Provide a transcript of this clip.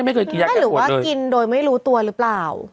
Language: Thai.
หรือว่ากินโดยไม่รู้ตัวหรือเปล่า